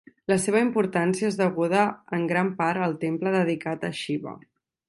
La seva importància és deguda en gran part al temple dedicat a Xiva.